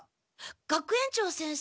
学園長先生